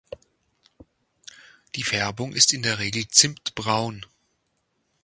Die Färbung ist in der Regel zimtbraun.